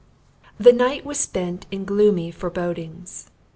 The night was spent in gloomy forebodings.